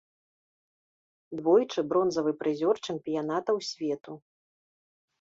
Двойчы бронзавы прызёр чэмпіянатаў свету.